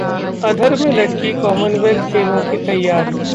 अधर में लटकी कॉमनवेल्थ खेलों की तैयारी